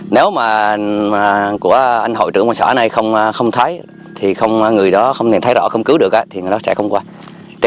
nếu mà của anh hội trưởng quản xã này không thấy thì người đó không thể thấy rõ không cứu được thì người đó sẽ không qua